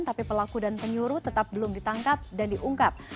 tapi pelaku dan penyuru tetap belum ditangkap dan diungkap